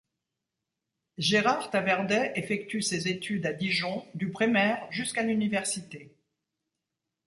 Gérard Taverdet effectue ses études à Dijon du primaire jusqu’à l’université.